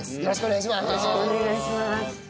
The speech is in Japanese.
よろしくお願いします。